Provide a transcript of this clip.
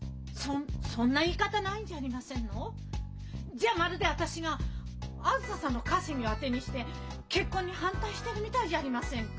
じゃあまるで私があづささんの稼ぎを当てにして結婚に反対してるみたいじゃありませんか？